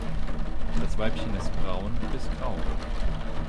Das Weibchen ist braun bis grau.